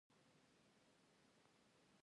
مېوې د افغانستان د شنو سیمو یوه ډېره ښکلې ښکلا ده.